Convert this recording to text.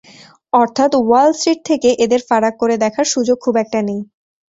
অর্থাৎ Wall Street থেকে এদের ফারাক করে দেখার সুযোগ খুব একটা নেই।